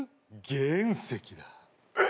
原石だね。